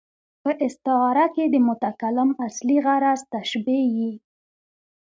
په استعاره کښي د متکلم اصلي غرض تشبېه يي.